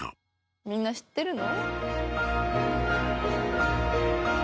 みんな知ってるの？